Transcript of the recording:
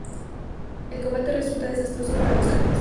El combate resulta desastroso para los caribes.